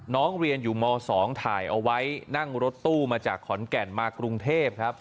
น้องเรียนอยู่ม๒ถ่ายเอาไว้นั่งรถตู้มาจากขอนแก่นมากรุงเทพครับ